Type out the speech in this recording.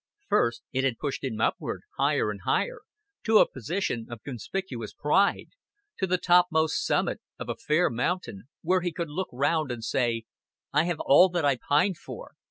First it had pushed him upward, higher and higher, to a position of conspicuous pride, to the topmost summit of a fair mountain, where he could look round and say, "I have all that I pined for.